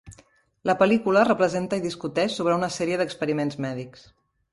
La pel·lícula representa i discuteix sobre una sèrie d'experiments mèdics.